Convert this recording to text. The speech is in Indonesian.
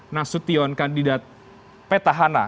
nasution kandidat petahana